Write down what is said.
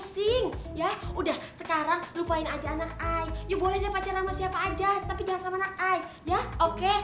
sing ya udah sekarang lupain aja anak ayo boleh pacaran siapa aja tapi jangan sama nakai ya oke